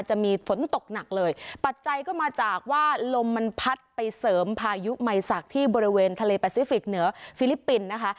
จะมีฝนตกหนักเลยปัจจัยก็มาจากว่าลมมันพัดไปเสริมพายุไมศักดิ์ที่บริเวณทะเลแปซิฟิกเหนือฟิลิปปินส์นะคะ